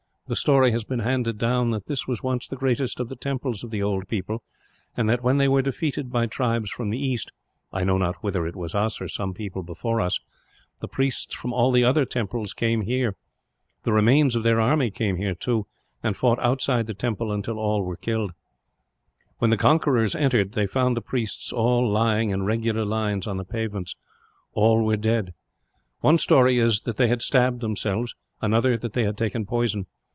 The story has been handed down that this was once the greatest of the temples of the old people; and that, when they were defeated by tribes from the east I know not whether it was us, or some people before us the priests from all the other temples came here. The remains of their army came here, too, and fought outside the temple until all were killed. "When the conquerors entered, they found the priests all lying, in regular lines, on the pavements. All were dead. One story is that they had stabbed themselves; another, that they had taken poison.